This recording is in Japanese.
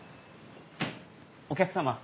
お客様。